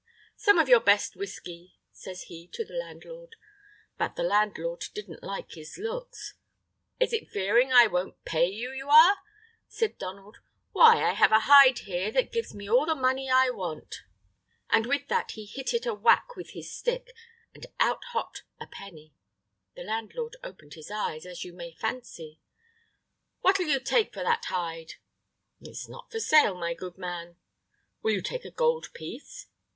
"Some of your best whisky," says he to the landlord. But the landlord didn't like his looks. "Is it fearing I won't pay you, you are?" says Donald; "why, I have a hide here that gives me all the money I want." And with that he hit it a whack with his stick, and out hopped a penny. The landlord opened his eyes, as you may fancy. "What'll you take for that hide?" "It's not for sale, my good man." "Will you take a gold piece?"